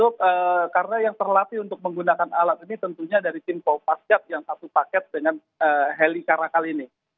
karena yang terlatih untuk menggunakan alat ini tentunya dari tim kopas yang satu paket dengan heli karakal ini